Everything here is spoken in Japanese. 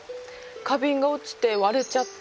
花瓶が落ちて割れちゃった。